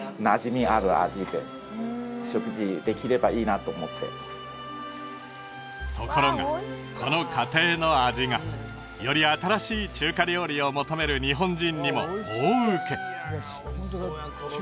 はい別にそんなところがこの家庭の味がより新しい中華料理を求める日本人にも大ウケ